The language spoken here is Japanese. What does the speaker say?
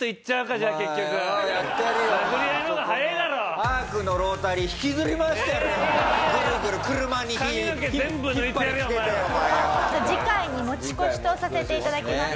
じゃあ次回に持ち越しとさせていただきます。